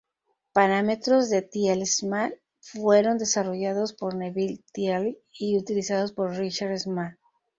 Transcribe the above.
Parámetros de Thiele-Small: Fueron desarrollados por Neville Thiele y utilizados por Richard Small.